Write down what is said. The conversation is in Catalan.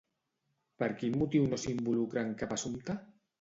Per quin motiu no s'involucra en cap assumpte?